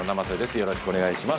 よろしくお願いします。